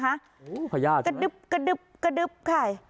โอ้โหพยาธิใช่ไหมกระดึบกระดึบกระดึบค่ะ